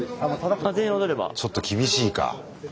ちょっと厳しいか。